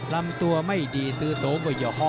ลำตัวไม่ดีตื้อตรงกว่าเยอะฮ่อ